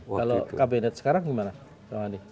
kalau kabinet sekarang bagaimana bang adi